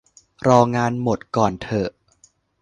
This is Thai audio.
รองานหมดก่อนเถอะ